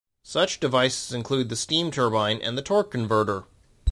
Such devices include the steam turbine and the torque converter.